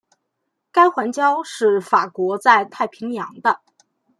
该环礁是法国在太平洋的。